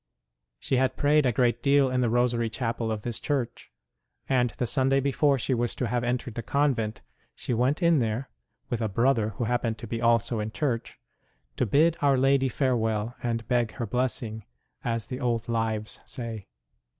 She had prayed a great deal in the Rosary Chapel of this church, and the Sunday before she was to have entered the convent she went in there, with a brother who happened to be HOW SHE TOOK THE HABIT OF ST. DOMINIC Q5 also in church, to bid Our Lady farewell, and beg her blessing, as the old Lives say.